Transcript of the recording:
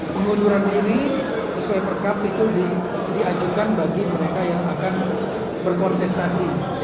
pengunduran diri sesuai perkab itu diajukan bagi mereka yang akan berkontestasi